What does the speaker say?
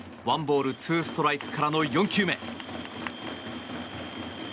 １ボール２ストライクからの４球目。